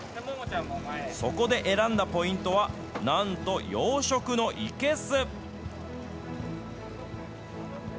そこで選んだポイントは、なんと養殖の生けす。